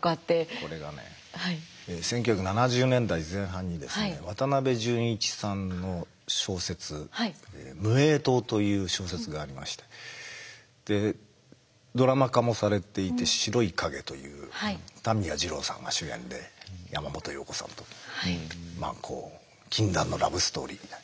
これがね１９７０年代前半にですね渡辺淳一さんの小説「無影燈」という小説がありましてでドラマ化もされていて「白い影」という田宮二郎さんが主演で山本陽子さんとまあこう禁断のラブストーリーみたいな。